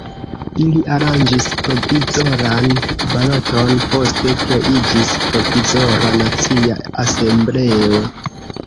Ili aranĝis provizoran baloton, poste kreiĝis Provizora Nacia Asembleo.